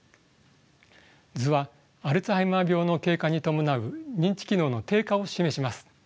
図はアルツハイマー病の経過に伴う認知機能の低下を示します。